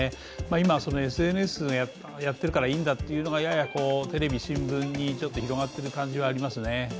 今、ＳＮＳでやっているからいいんだというのがややテレビ・新聞に広がってる感じはありますね。